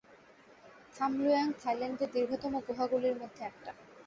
থাম লুয়াং থাইল্যান্ডের দীর্ঘতম গুহাগুলির মধ্যে একটা।